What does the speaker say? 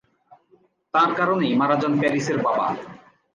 তাঁর কারণেই মারা যান প্যারিসের বাবা।